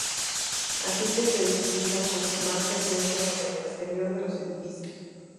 Así que se utilizan con más frecuencia en el exterior de los edificios.